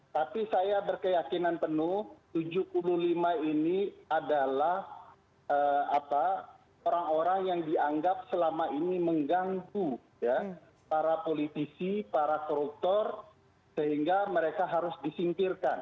tapi saya berkeyakinan penuh tujuh puluh lima ini adalah orang orang yang dianggap selama ini mengganggu para politisi para koruptor sehingga mereka harus disingkirkan